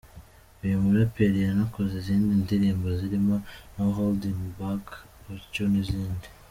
Uyu muraperi yanakoze izindi ndirimbo zirimo ‘No Holding Back’, ‘Otyo’, n’izindi.